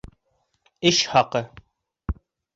Эш хаҡы